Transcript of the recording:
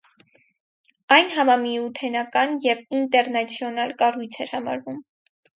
Այն համամիութենական և ինտերնացիոնալ կառույց էր համարվում։